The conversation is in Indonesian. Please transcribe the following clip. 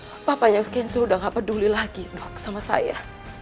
bu papanya kenzo udah gak peduli lagi sama saya